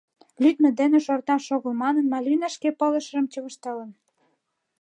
Лӱдмӧ дене шорташ огыл манын, Мальвина шке пылышыжым чывыштылын.